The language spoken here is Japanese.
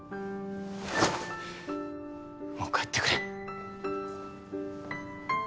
もう帰ってくれ。